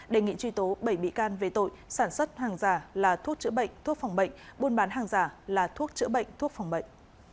đề nghị truy tố bảy bị can về tội sản xuất hàng giả là thuốc chữa bệnh thuốc phòng bệnh buôn bán hàng giả là thuốc chữa bệnh thuốc phòng bệnh